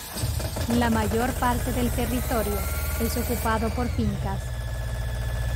La mayor parte del territorio es ocupado por fincas.